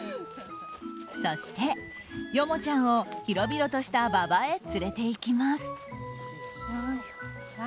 そして、ヨモちゃんを広々とした馬場へ連れていきます。